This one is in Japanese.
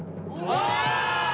あ！